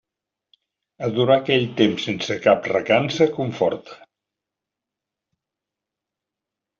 Adorar aquell temps sense cap recança conforta.